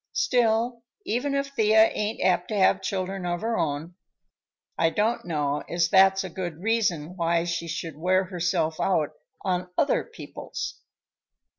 Still, even if Thea ain't apt to have children of her own, I don't know as that's a good reason why she should wear herself out on other people's."